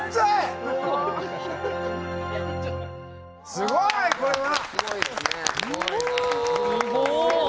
すごいこれは！